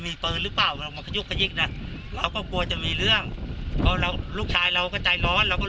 ได้คุยกับเพื่อนผู้ตายมาเที่ยว๘คนจากจังหวัดอุทายทานี